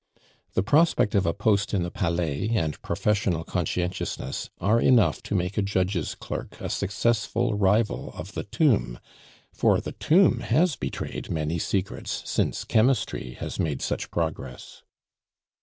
The prospect of a post in the Palais and professional conscientiousness are enough to make a judge's clerk a successful rival of the tomb for the tomb has betrayed many secrets since chemistry has made such progress.